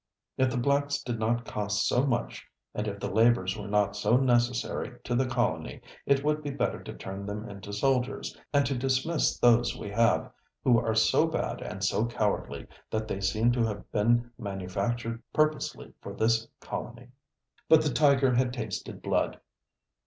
If the blacks did not cost so much, and if their labors were not so necessary to the colony, it would be better to turn them into soldiers, and to dismiss those we have, who are so bad and so cowardly that they seem to have been manufactured purposely for this colony." But the tiger had tasted blood.